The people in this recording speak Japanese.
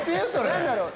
何だろう？